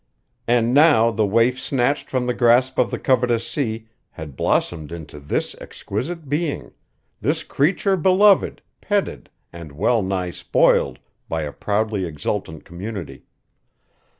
And now the waif snatched from the grasp of the covetous sea had blossomed into this exquisite being; this creature beloved, petted, and well nigh spoiled by a proudly exultant community.